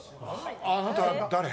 あなた誰？